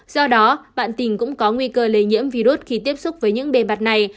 do đó bạn tình cũng có nguy cơ lây nhiễm virus khi tiếp xúc với những bề mặt này